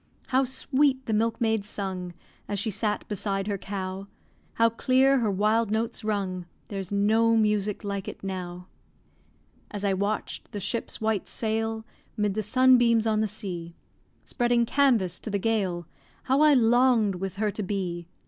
How sweet the milkmaid sung, As she sat beside her cow, How clear her wild notes rung; There's no music like it now. As I watch'd the ship's white sail 'Mid the sunbeams on the sea, Spreading canvas to the gale How I long'd with her to be.